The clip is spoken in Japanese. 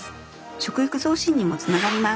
食欲増進にもつながります。